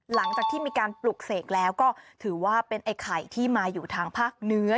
หลังจากที่มีการปลุกเสกแล้วก็ถือว่าเป็นไอ้ไข่ที่มาอยู่ทางภาคเหนือ